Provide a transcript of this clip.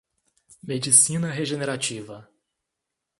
Medicina regenerativa